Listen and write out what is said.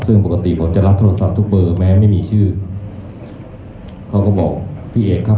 ซึ่งปกติผมจะรับโทรศัพท์ทุกเบอร์แม้ไม่มีชื่อเขาก็บอกพี่เอกครับ